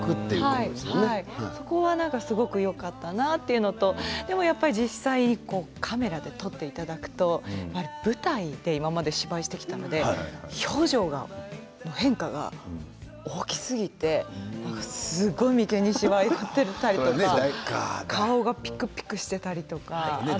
そこは、やっぱりよかったなというのと実際カメラで撮っていただくと舞台で今まで芝居をしてきたので表情が変化が大きすぎてすごい眉間にしわ寄ってしまったり顔がぴくぴくしてたりとか。